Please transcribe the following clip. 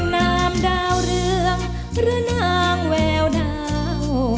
นามดาวเรืองหรือนางแววดาว